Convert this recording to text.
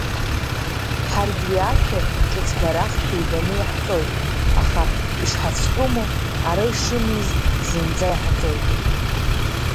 Ҳаргь уи ашәа ҿыцбарахшәа ибаны иаҳҵоит, аха ишҳацәтәыму, ара ишымиз зынӡа иаҳӡоит…